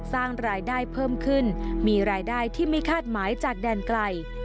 สร้างรายได้เพิ่มขึ้นมีรายได้ที่ไม่คาดหมายจากแดนไกล